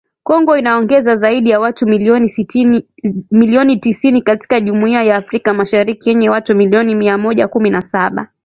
Kongo inaongeza zaidi ya watu milioni tisini katika Jumuiya ya Afrika Mashariki yenye watu milioni mia moja kumi na saba